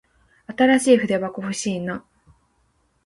新しい筆箱欲しいな。